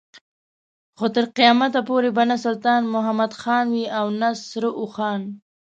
خو تر قيامت پورې به نه سلطان محمد خان وي او نه سره اوښان.